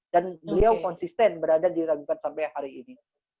dan beliau konsisten berada diragukan sampai hari ini